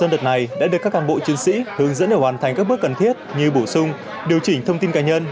để hoàn thành các bước cần thiết như bổ sung điều chỉnh thông tin cá nhân